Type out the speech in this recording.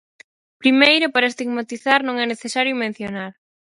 Primeiro, para estigmatizar non é necesario mencionar.